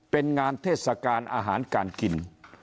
เป็นงานเทศกาลอาหารการกิน